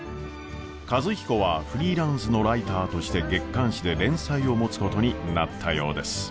和彦はフリーランスのライターとして月刊誌で連載を持つことになったようです。